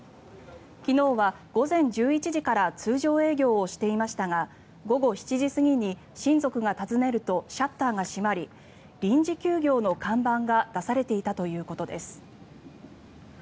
昨日は午前１１時から通常営業をしていましたが午後７時過ぎに親族が訪ねるとシャッターが閉まり臨時休業の看板が出されていたということです。